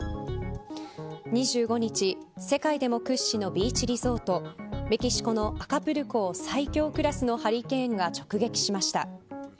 ２５日、世界でも屈指のビーチリゾートメキシコのアカプルコを最強クラスのハリケーンが直撃しました。